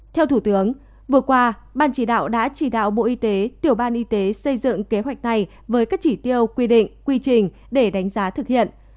theo thủ tướng vừa qua ban chỉ đạo đã chỉ đạo bộ y tế tiểu ban y tế xây dựng kế hoạch này với các chỉ tiêu quy định quy trình để đánh giá thực hiện